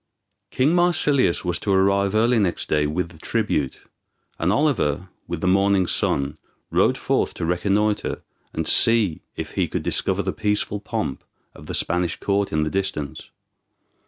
King Marsilius was to arrive early next day with the tribute, and Oliver, with the morning sun, rode forth to reconnoitre, and see if he could discover the peaceful pomp of the Spanish court in the distance.